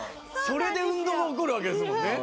それで運動が起こるわけですもんね。